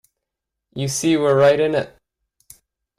You see we're right in it!